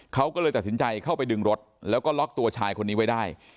เขาก็เลยตัดสินใจเข้าไปดึงรถแล้วก็ล็อกตัวชายคนนี้ไว้ได้